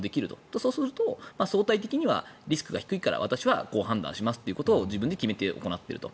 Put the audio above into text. そうすると相対的にはリスクが低いから私はこう判断しますということを自分で決めて行っていると。